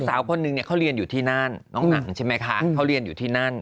สาวคนนึงเนี่ยเขาเรียนอยู่ที่นั่นน้องหนังใช่ไหมคะเขาเรียนอยู่ที่นั่น